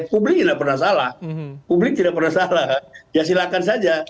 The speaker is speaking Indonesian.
publik tidak pernah salah publik tidak pernah salah ya silakan saja